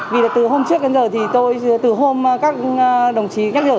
vì là từ hôm trước đến giờ thì tôi từ hôm các đồng chí nhắc nhở